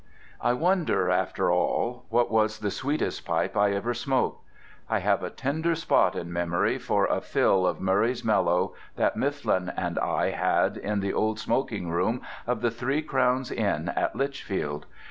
I wonder after all what was the sweetest pipe I ever smoked? I have a tender spot in memory for a fill of Murray's Mellow that Mifflin and I had in the old smoking room of the Three Crowns Inn at Lichfield.